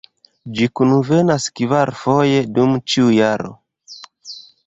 Ĝi kunvenas kvarfoje dum ĉiu jaro.